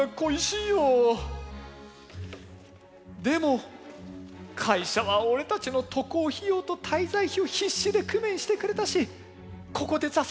「でも会社は俺たちの渡航費用と滞在費を必死で工面してくれたし」。